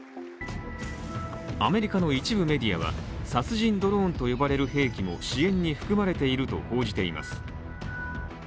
アメリカの一部メディアは殺人ドローンと呼ばれる兵器も支援に含まれていると報じています。